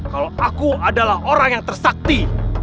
kalau aku adalah orang yang tersakti